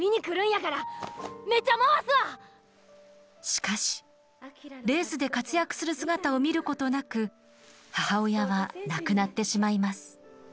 しかしレースで活躍する姿を見ることなく母親は亡くなってしまいます。